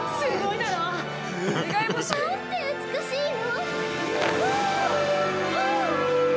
◆なんて美しいの。